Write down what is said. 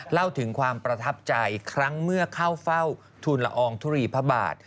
เล่าถึงความประทับใจครั้งเมื่อเข้าเฝ้าทุนละอองทุรีพระบาท